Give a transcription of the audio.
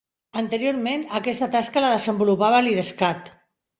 Anteriorment, aquesta tasca la desenvolupava l'Idescat.